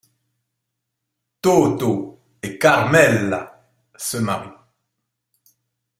Totò et Carmela se marient.